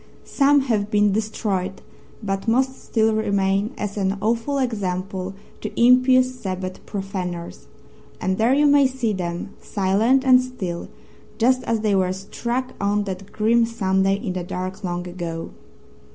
Some have been destroyed, but most still remain as an awful example to impious Sabbath profaners. And there you may see them silent and still, just as they were struck on that grim Sunday in the dark long ago.